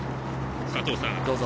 佐藤さん。